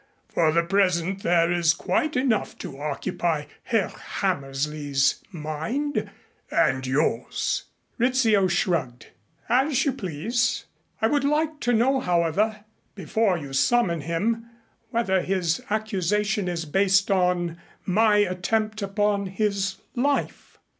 For the present there is quite enough to occupy Herr Hammersley's mind and yours." Rizzio shrugged. "As you please. I would like to know, however, before you summon him, whether his accusation is based on my attempt upon his life."